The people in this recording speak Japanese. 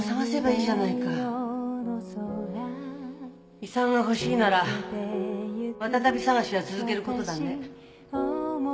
遺産が欲しいならマタタビ探しは続ける事だね。